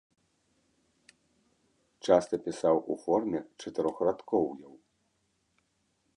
Часта пісаў у форме чатырохрадкоўяў.